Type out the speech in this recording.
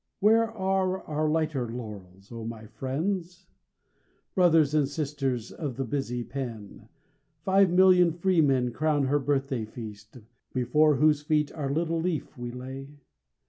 Where are our lighter laurels? O my friends! Brothers and sisters of the busy pen, Five million freemen crown her birthday feast, Before whose feet our little leaf we lay.